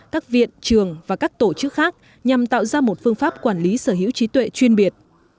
các viện trường và các tổ chức khác nhằm tạo ra một phương pháp quản lý sở hữu trí tuệ chuyên biệt